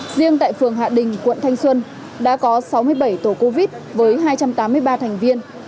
riêng tại phường hạ đình quận thanh xuân đã có sáu mươi bảy tổ covid với hai trăm tám mươi ba thành viên